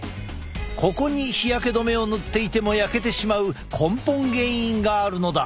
ここに日焼け止めを塗っていても焼けてしまう根本原因があるのだ。